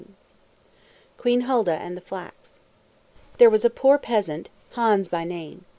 QUEEN HULDA AND THE FLAX There was once a poor peasant, Hans by name.